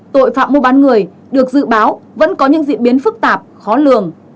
tội phạm mua bán người được dự báo vẫn có những diễn biến phức tạp khó lường